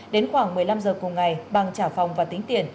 đến khoảng một mươi năm giờ cùng ngày bằng trả phòng và tính tiền